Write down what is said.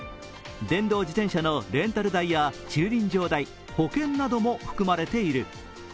電動自転車のレンタル代や駐輪場代、保険なども含まれている。